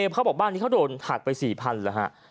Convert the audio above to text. เขาบอกบ้านนี้เขาโดนหักไป๔๐๐๐แล้วฮะ